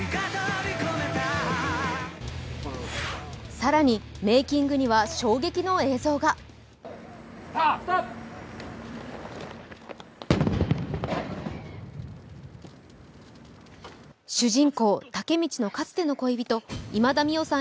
更に、メーキングには衝撃の映像が主人公・タケミチのかつての恋人、今田美桜さん